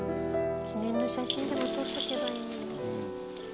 記念の写真でも撮っとけばいいのに。